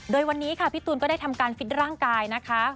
โดยวันนี้ค่ะพี่ตูนก็ได้ทำการฟิตร่างกายนะคะ